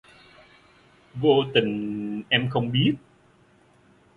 Vô tình em không biết